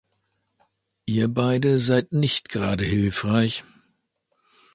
Ihr beide seid nicht gerade hilfreich.